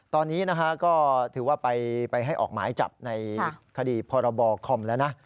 ตอนนี้นะฮะก็ถือว่าไปให้ออกหมายจับในคดีพรบคอมแล้วนะ